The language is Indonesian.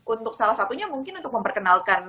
untuk salah satunya mungkin untuk memperkenalkan